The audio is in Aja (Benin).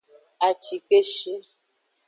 Acikeshi.